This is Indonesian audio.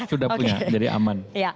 sudah punya jadi aman